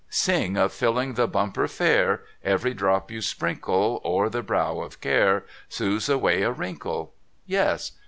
Sing of Filling the bumper fair. Every drop you sprinkle. O'er the brow of care. Smooths away a Avrinkle? Yes.